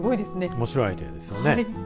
おもしろいアイデアですよね。